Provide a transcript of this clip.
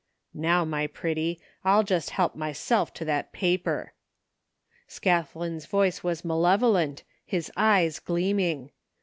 "Now, my pretty, Til just he'p myself to that paper.'* Scathlin's voice was malevolent, his eyes gleaming.